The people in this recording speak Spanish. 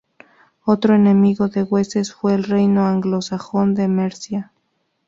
Otro enemigo de Wessex fue el reino anglosajón de Mercia.